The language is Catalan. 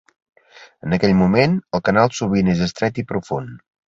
En aquell moment el canal sovint és estret i profund.